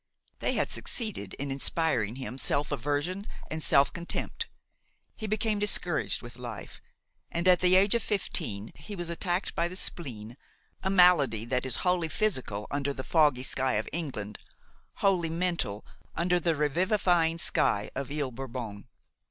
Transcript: They had succeeded in inspiring in him self aversion and self contempt; he became discouraged with life, and, at the age of fifteen, he was attacked by the spleen, a malady that is wholly physical under the foggy sky of England, wholly mental under the revivifying sky of Ile Bourbon.